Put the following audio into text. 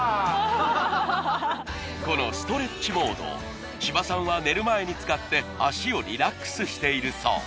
このストレッチモード千葉さんは寝る前に使って脚をリラックスしているそう！